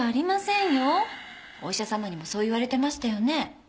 お医者さまにもそう言われてましたよね？